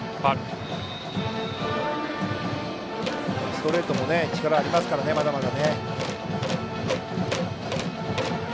ストレートも力がありますから、まだまだ。